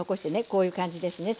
こういう感じですね